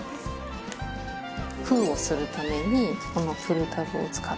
封をするためにこのプルタブを使って。